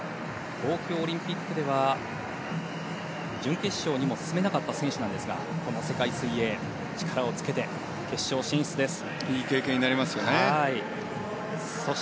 東京オリンピックでは準決勝にも進めなかった選手なんですがこの世界水泳、力をつけて決勝進出です。